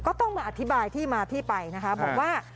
ก็ต้องมาอธิบายที่มาที่ไปนะคะบอกว่า